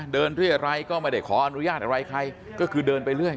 เรียรัยก็ไม่ได้ขออนุญาตอะไรใครก็คือเดินไปเรื่อย